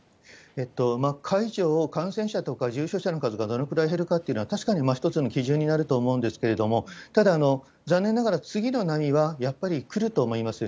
解除を感染者とか重症者の数がどのくらい減るかというのは、確かに一つの基準になると思うんですけれども、ただ、残念ながら次の波はやっぱり来ると思います。